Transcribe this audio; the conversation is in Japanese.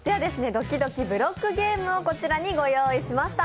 ドキドキブロックゲームをご用意しました。